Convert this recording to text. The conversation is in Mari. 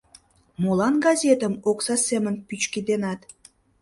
— Молан газетым окса семын пӱчкеденат?